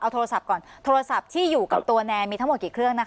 เอาโทรศัพท์ก่อนโทรศัพท์ที่อยู่กับตัวแนนมีทั้งหมดกี่เครื่อง